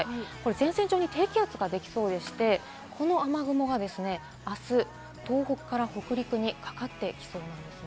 前線上に低気圧ができそうでして、この雨雲があす東北から北陸にかかってきそうです。